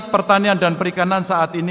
pertanian dan perikanan saat ini